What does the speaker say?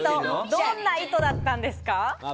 どんな意図だったんですか？